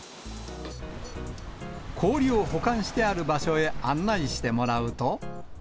氷を保管してある場所へ案内してもらうと。